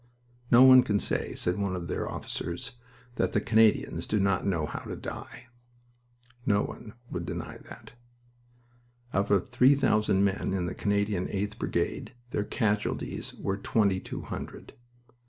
"No one can say," said one of their officers, "that the Canadians do not know how to die." No one would deny that. Out of three thousand men in the Canadian 8th Brigade their casualties were twenty two hundred.